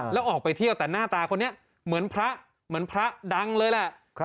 แล้วออกไปเที่ยวแต่หน้าตาคนนี้เหมือนพระเหมือนพระดังเลยแหละ